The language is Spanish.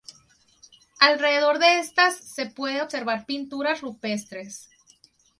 Alrededor de estas se puede observar pinturas rupestres.